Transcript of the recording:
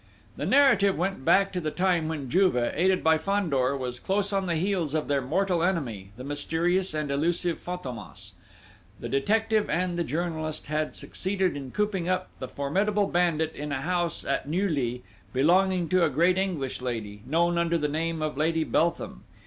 The narrative went back to the time when Juve, aided by Fandor, was close on the heels of their mortal enemy, the mysterious and elusive Fantômas. The detective and the journalist had succeeded in cooping up the formidable bandit in a house at Neuilly, belonging to a great English lady, known under the name of Lady Beltham.